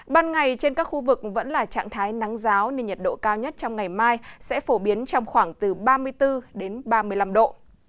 ban ngày trên các khu vực vẫn là trạng thái nắng giáo nên nhiệt độ cao nhất trong ngày mai sẽ phổ biến trong khoảng từ ba mươi bốn đến ba mươi năm độ